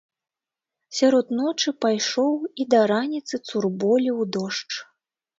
Сярод ночы пайшоў і да раніцы цурболіў дождж.